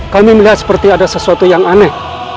kami melihat seperti ada sesuatu yang aneh